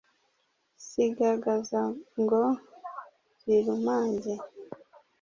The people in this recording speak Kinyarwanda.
Sigagaza ngo zirumange